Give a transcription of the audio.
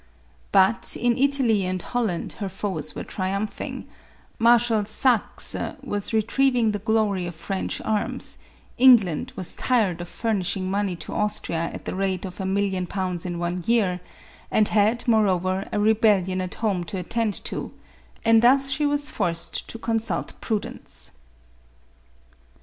But, in Italy and Holland, her foes were triumphing; Marshal Saxe was retrieving the glory of French arms ; England was tired of furnishing money to Austria at the rate of a million pounds in one year, and had, moreover, a re bellion at home to attend to ; and thus she was forced to consult prudence.